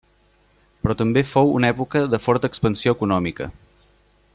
Però també fou una època de forta expansió econòmica.